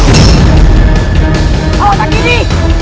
bertahanlah hagi ini